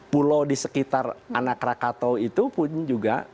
pulau di sekitar anak rakatau itu pun juga